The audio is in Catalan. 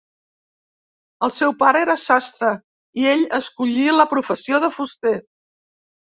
El seu pare era sastre i ell escollí la professió de fuster.